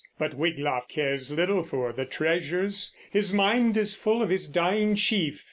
But Wiglaf cares little for the treasures; his mind is full of his dying chief.